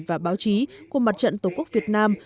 và báo chí của mặt trận tổ quốc việt nam